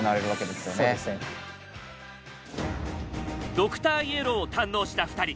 ドクターイエローを堪能した２人。